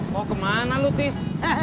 mau kemana lu tis